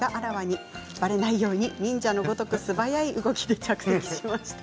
ばれないように忍者のごとく素早い動きで着席しました。